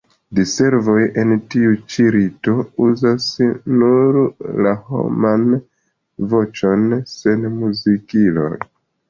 Diservoj en tiu ĉi rito uzas nur la homan voĉon sen muzikiloj.